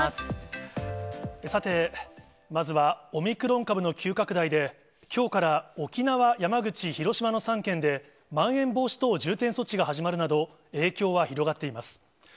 さて、まずはオミクロン株の急拡大で、きょうから沖縄、山口、広島の３県で、まん延防止等重点措置が始まるなど、影響は広がっています。